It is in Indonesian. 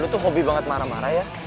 lo tuh hobi banget marah marah ya